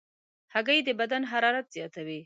هګۍ د بدن حرارت زیاتوي.